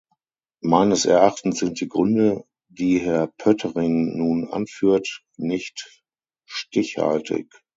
Meines Erachtens sind die Gründe, die Herr Poettering nun anführt, nicht stichhaltig.